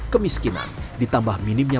kemiskinan ditambah minimnya